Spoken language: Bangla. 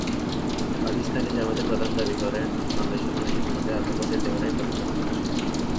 পাকিস্তান জামায়াতের প্রধান দাবি করেন, বাংলাদেশের মানুষ ইতিমধ্যে আদালতের দেওয়া রায় প্রত্যাখ্যান করেছে।